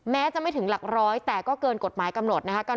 แม้จะไม่ถึงหลักร้อยแต่ก็เกินกฎหมายกำหนดนะคะ